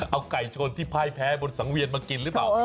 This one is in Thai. เอาไก่ชนที่พ่ายแพ้บนสังเวียนมากินหรือเปล่า